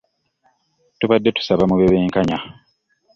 Tubadde tusaba mube benkanya.